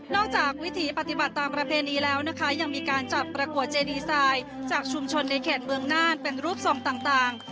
จากวิถีปฏิบัติตามประเพณีแล้วนะคะยังมีการจัดประกวดเจดีไซน์จากชุมชนในเขตเมืองน่านเป็นรูปทรงต่าง